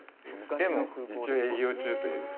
でも、一応、営業中という。